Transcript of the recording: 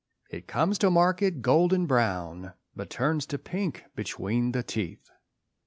It comes to market golden brown; But turns to pink between the teeth.